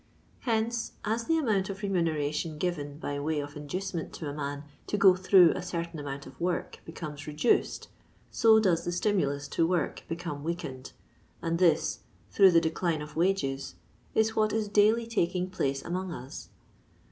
Hence as the amount of remu neration given by way of inducement to a man to go through a certain amount of work becomes re duced, so does the stimulus to work become wear kened, and this, through the decline of wages, is what is daily taking place among us.